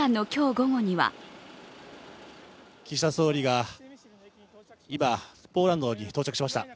午後には岸田総理が今、ポーランドに到着しました。